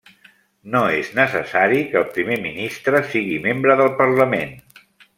No és necessari que el Primer Ministre sigui membre del parlament.